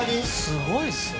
すごいっすね。